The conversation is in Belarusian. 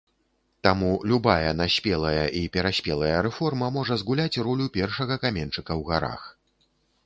Таму любая наспелая і пераспелая рэформа можа згуляць ролю першага каменьчыка ў гарах.